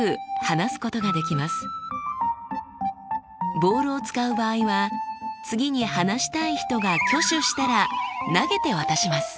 ボールを使う場合は次に話したい人が挙手したら投げて渡します。